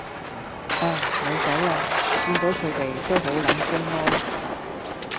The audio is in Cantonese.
唉，冇計呀，見到佢哋都好撚悲哀